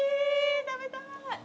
食べたい。